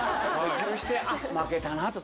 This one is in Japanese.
そしてあっ負けたなと。